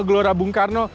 gelora bung karno